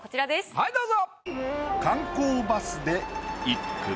はいどうぞ。